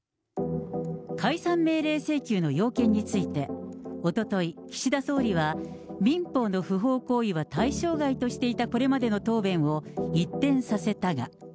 解散命令請求の要件について、おととい、岸田総理は民法の不法行為は対象外としていたこれまでの答弁を一転させたが。